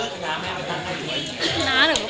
ขอบคุณค่าขอบคุณค่า